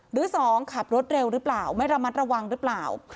หรือ๒ขับรถเร็วหรือเปล่าไม่ระมัดระวังหรือเปล่า